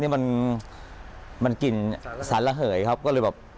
นี่มันกลิ่นสันระเหยครับ